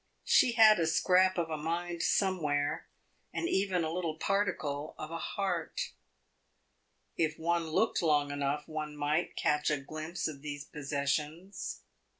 She had a scrap of a mind somewhere, and even a little particle of a heart. If one looked long enough one might catch a glimpse of these possessions.